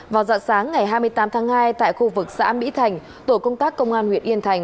vào dạng sáng ngày hai mươi tám tháng hai tại khu vực xã mỹ thành tổ công tác công an huyện yên thành